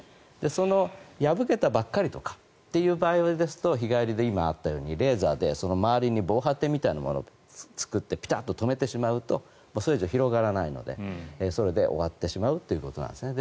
その破けたばかりとかっていう場合ですと日帰りで今あったようにレーザーで周りに防波堤みたいなものを作って、ピタッと止めてしまうとそれ以上広がらないのでそれで終わってしまうということなんですね。